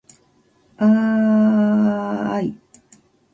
ああああああああああああああああい